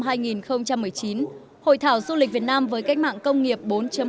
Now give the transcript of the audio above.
hội thảo du lịch việt nam với cách mạng công nghiệp bốn